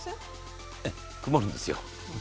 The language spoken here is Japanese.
曇るんですよ。